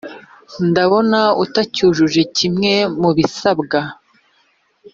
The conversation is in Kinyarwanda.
ndabona utacyujuje kimwe mu bisabwa